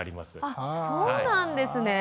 あそうなんですね。